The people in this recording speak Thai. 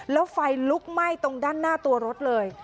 แล้วไฟลุกไหม้ตรงด้านหน้าตัวรถเลย